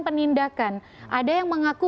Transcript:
penindakan ada yang mengaku